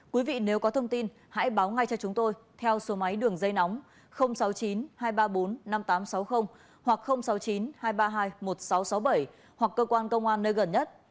quý vị nếu có thông tin hãy báo ngay cho chúng tôi theo số máy đường dây nóng sáu mươi chín hai trăm ba mươi bốn năm nghìn tám trăm sáu mươi hoặc sáu mươi chín hai trăm ba mươi hai một nghìn sáu trăm sáu mươi bảy hoặc cơ quan công an nơi gần nhất